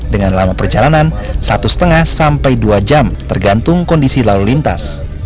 dengan lama perjalanan satu lima sampai dua jam tergantung kondisi lalu lintas